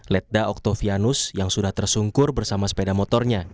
letda oktovianus yang sudah tersungkur bersama sepeda motornya